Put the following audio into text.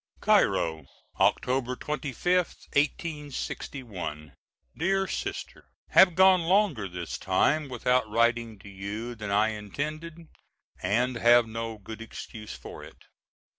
] Cairo, October 25th, 1861. DEAR SISTER: Have gone longer this time without writing to you than I intended and have no good excuse for it.